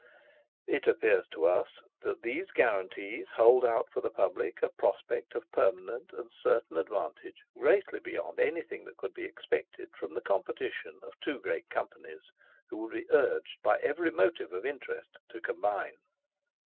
It appears to us that these guarantees hold out for the Public a prospect of permanent and certain advantage greatly beyond anything that could be expected from the competition of two great Companies, who would be urged by every motive of interest to combine.